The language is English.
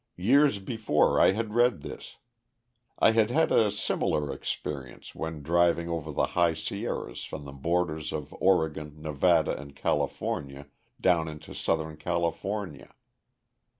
Years before I had read this, I had had a similar experience when driving over the high Sierras from the borders of Oregon, Nevada, and California down into southern California.